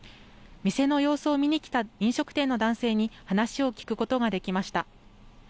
店の様子を見に来た飲食店の男性に話を聞くことができました。